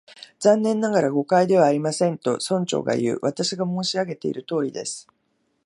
「残念ながら、誤解ではありません」と、村長がいう。「私が申し上げているとおりです」